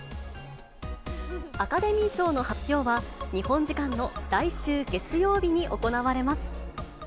アカデミー賞の発表は、日本時間の来週月曜日に行われます。